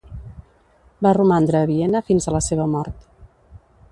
Va romandre a Viena fins a la seva mort.